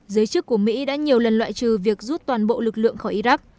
giới chức của mỹ đã nhiều lần loại trừ việc rút toàn bộ lực lượng khỏi iraq